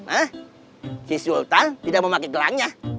nah si sultan tidak memakai gelangnya